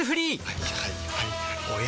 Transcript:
はいはいはいはい。